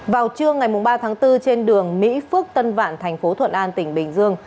vào trưa ngày ba tháng bốn trên đường mỹ phước tân vạn thành phố thuận an tỉnh bình dương